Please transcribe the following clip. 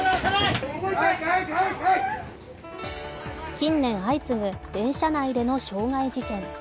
近年、相次ぐ電車内での傷害事件。